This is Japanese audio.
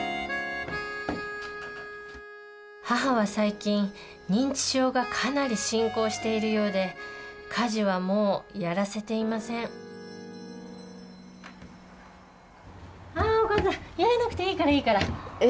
母は最近認知症がかなり進行しているようで家事はもうやらせていませんあお母さんやらなくていいからいいから。え。